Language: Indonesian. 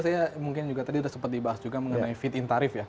saya mungkin juga tadi sudah sempat dibahas juga mengenai fit in tarif ya